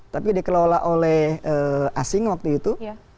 tapi dikelola oleh asing waktu itu